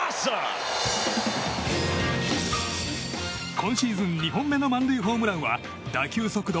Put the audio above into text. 今シーズン２本目の満塁ホームランは打球速度